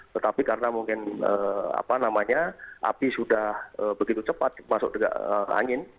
tetapi karena mungkin apa namanya api sudah begitu cepat masuk ke angin